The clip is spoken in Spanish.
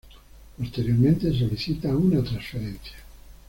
Posteriormente, solicita una transferencia.